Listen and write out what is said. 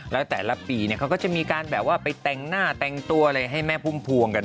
แล้วแต่ละปีเขาก็จะมีการแบบว่าไปแต่งหน้าแต่งตัวอะไรให้แม่พุ่มพวงกัน